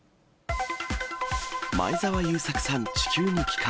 前澤友作さん、地球に帰還。